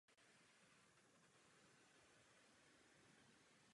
V přízemí domu se nacházela přijímací kancelář a místnosti sloužící k samotné výrobě.